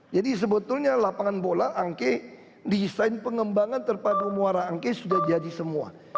jadi sebetulnya lapangan bola angke desain pengembangan terhadap muara angke sudah jadi semua